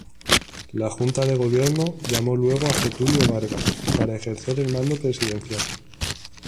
La junta de gobierno llamó luego a Getúlio Vargas para ejercer el mando presidencial.